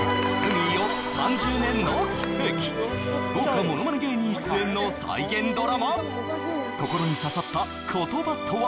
豪華ものまね芸人出演の再現ドラマ心にささった言葉とは？